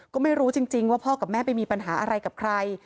ก็ไม่รู้จริงว่าพ่อกับแม่ไปมีปัญหาอะไรกับใคร